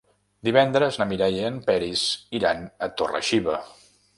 Divendres na Mireia i en Peris iran a Torre-xiva.